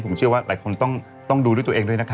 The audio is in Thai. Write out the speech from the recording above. ผมเชื่อว่าหลายคนต้องดูด้วยตัวเองด้วยนะคะ